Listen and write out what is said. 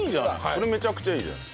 それめちゃくちゃいいじゃない。